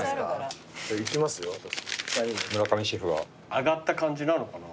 揚がった感じなのかな？